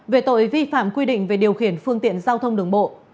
về tội vi phạm quy định về điều khiển phương tiện giao thông đường bộ